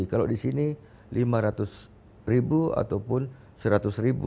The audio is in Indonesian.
kalau di sini lima ratus ribu ataupun seratus ribu